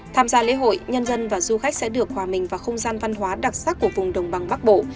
tham gia lễ hội nhân dân và du khách sẽ được hòa mình vào không gian văn hóa đặc sắc của vùng đồng bằng bắc bộ